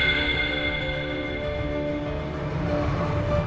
kenapa kamu advertising